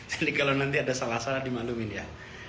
jadi kalau nanti ada salah salah dimalumin ya